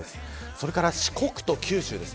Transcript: それから四国と九州です。